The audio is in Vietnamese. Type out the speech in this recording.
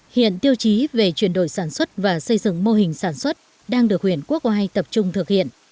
hiện tiêu chí về chuyển đổi sản xuất và xây dựng mô hình sản xuất đang được huyện quốc oai tập trung thực hiện